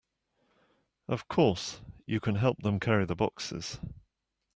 Of course, you can help them carry the boxes.